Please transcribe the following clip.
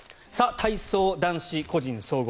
体操男子個人総合